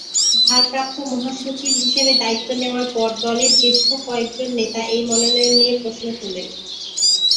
ভারপ্রাপ্ত মহাসচিব হিসেবে দায়িত্ব নেওয়ার পর দলের জ্যেষ্ঠ কয়েকজন নেতা এই মনোনয়ন নিয়ে প্রশ্ন তুলেন।